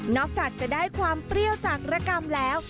จากจะได้ความเปรี้ยวจากระกำแล้ว